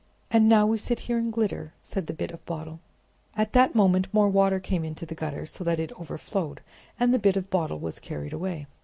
"And now we sit here and glitter!" said the Bit of Bottle. At that moment more water came into the gutter, so that it overflowed, and the Bit of Bottle was carried away.